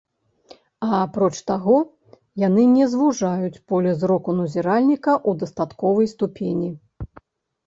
А апроч таго, яны не звужаюць поле зроку назіральніка ў дастатковай ступені.